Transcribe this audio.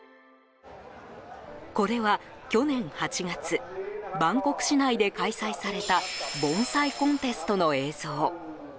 これは、去年８月バンコク市内で開催された盆栽コンテストの映像。